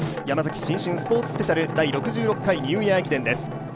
ヤマザキ新春スポーツスペシャル第６６回ニューイヤー駅伝です。